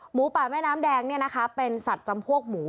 หมูป่าแม่น้ำแดงเป็นสัตว์จำพวกหมู